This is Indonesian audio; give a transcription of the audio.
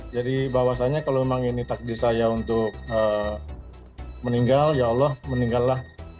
jadi bahwasannya kalau memang ini takdir saya untuk meninggal ya allah meninggallah